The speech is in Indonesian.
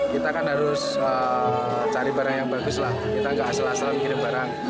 kita kan harus cari barang yang bagus lah kita gak asal asalan kirim barang